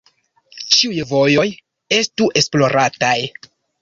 Ĉiuj vojoj estu esplorataj.